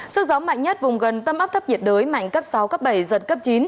sức gió mạnh nhất vùng gần tâm áp thấp nhiệt đới mạnh cấp sáu cấp bảy giật cấp chín